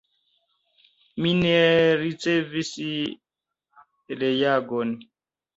Mi ne ricevis reagon.